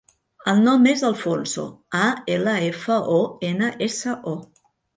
El nom és Alfonso: a, ela, efa, o, ena, essa, o.